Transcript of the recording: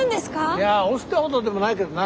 いや押忍ってほどでもないけどな。